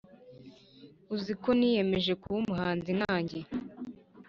uziko niyemeje kuba umuhanzi najye